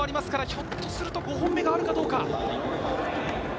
ひょっとすると５本目があるかどうか。